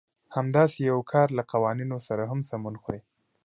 همداسې يو کار له قوانينو سره هم سمون خوري.